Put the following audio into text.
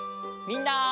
みんな！